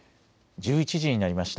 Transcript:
１１時になりました。